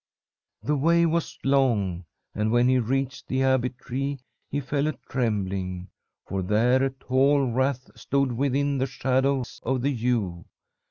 "The way was long, and, when he reached the abbey tree, he fell a trembling, for there a tall wraith stood within the shadows of the yew.